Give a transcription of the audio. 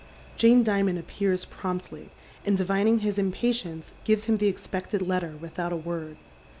Jane Dimond appears promptly, and divining his impatience, t'ves him the expected letter without a word.